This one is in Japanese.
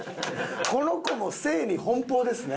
この子も性に奔放ですね。